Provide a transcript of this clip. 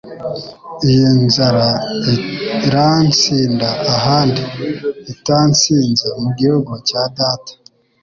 iyi nzara irantsinda ahandi itantsinze mu gihugu cya data